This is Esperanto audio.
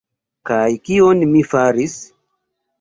Kaj kion mi faris?